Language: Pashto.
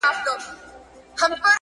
• نن د اباسین د جاله وان حماسه ولیکه,